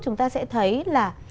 chúng ta sẽ thấy là